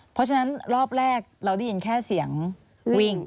เพราะฉะนั้นรอบแรกเราได้ยินแค่เสียงวิ่ง